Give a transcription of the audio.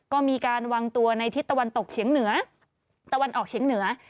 ก็มีการวางตัวในทิศตะวันออกเฉียงเหนือ